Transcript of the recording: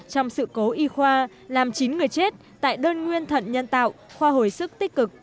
trong sự cố y khoa làm chín người chết tại đơn nguyên thận nhân tạo khoa hồi sức tích cực